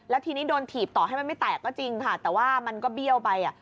แล้วทีนี้โดนถีบต่อให้มันไม่แตกก็จริงค่ะแต่ว่ามันก็เบี้ยวไปอ่ะ